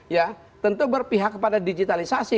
ya tentu berpihak kepada digitalisasi